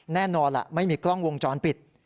แน่นอนล่ะไม่มีกล้องวงจรปิด